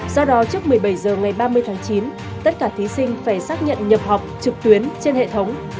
do đó trước một mươi bảy h ngày ba mươi tháng chín tất cả thí sinh phải xác nhận nhập học trực tuyến trên hệ thống